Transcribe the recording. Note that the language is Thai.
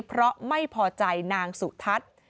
เพราะไม่พอใจนางสุทัศน์